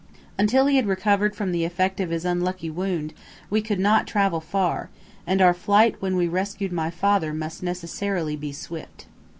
Until he had recovered from the effect of his unlucky wound we could not travel far, and our flight when we rescued my father must necessarily be swift.